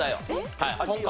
はい８位は？